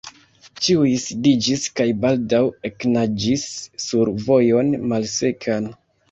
Ĉiuj sidiĝis kaj baldaŭ eknaĝis sur vojon malsekan.